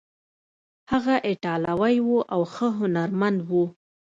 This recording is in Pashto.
هغه ایټالوی و او ښه هنرمند و.